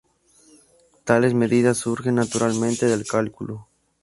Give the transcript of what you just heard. Tales medidas surgen naturalmente del cálculo.